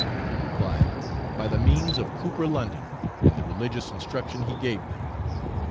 He replied, by the means of Cooper London, and the religious instruction he gave them.